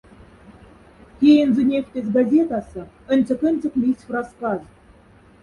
Тейнза няфтезь газетаса аньцек-аньцек лисьф рассказть.